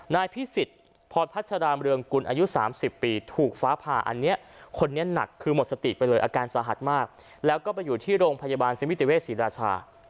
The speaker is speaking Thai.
นายพิสิทธิ์พรพัชรามเรืองกุลอายุ๓๐ปีถูกฟ้าผ่าอันนี้คนนี้หนักคือหมดสติไปเลยอาการสาหัสมากแล้วก็ไปอยู่ที่โรงพยาบาลสมิติเวศรีราชา